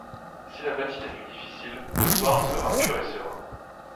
Si la matinée fut difficile, le soir sera pur et serein.